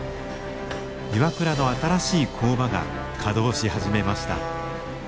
ＩＷＡＫＵＲＡの新しい工場が稼働し始めました。